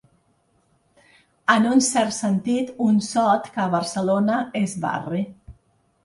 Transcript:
En un cert sentit, un sot que a Barcelona és barri.